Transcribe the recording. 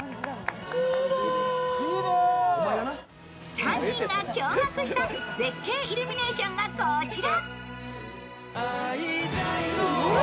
３人が驚がくした絶景イルミネーションがこちら。